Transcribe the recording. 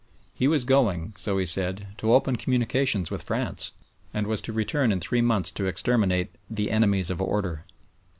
He was going, so he said, to open communications with France, and was to return in three months to exterminate "the enemies of order."